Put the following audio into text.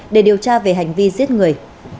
để điều tra về hành vi giết người